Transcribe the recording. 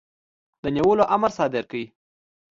د نیولو امر صادر کړ.